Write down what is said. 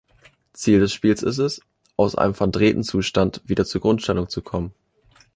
Ziel des Spiels ist es, aus einem verdrehten Zustand wieder zur Grundstellung zu kommen.